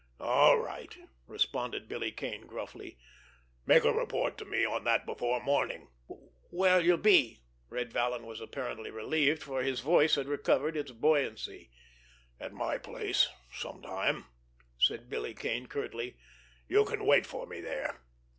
"All right," responded Billy Kane gruffly. "Make a report to me on that before morning." "Where'll you be?" Red Vallon was apparently relieved, for his voice had recovered its buoyancy. "At my place—some time," said Billy Kane curtly. "You can wait for me there."